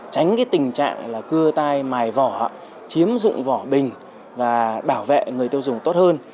tránh tình trạng cưa tai mài vỏ chiếm dụng vỏ bình và bảo vệ người tiêu dùng tốt hơn